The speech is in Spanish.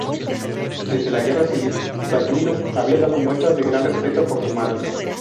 Desde la guerra civil, Balduino había dado muestras de gran respeto por su madre.